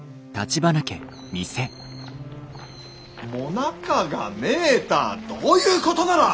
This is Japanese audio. ・もなかがねえたあどういうことなら！